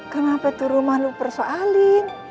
kenapa itu rumah lo persoalin